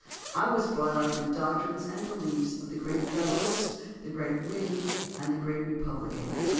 I was brought up in the doctrines and behefs of the great Federalist, the great Whig, and the great Re publican.